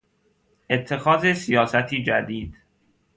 اتخاذ سیاستی جدید